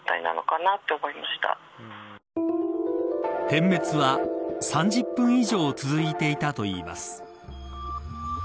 点滅は３０分以上続いていたといいます。